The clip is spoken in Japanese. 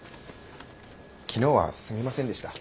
昨日はすみませんでした。